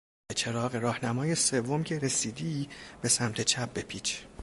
به چراغ راهنمای سوم که رسیدی به سمت چپ بپیچ.